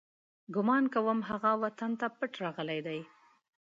ګمان کوم، هغه وطن ته پټ راغلی دی.